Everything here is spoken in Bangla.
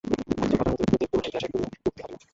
অথচ গতানুগতিক পুরোনো ইতিহাসের পুনরুক্তি হবে না।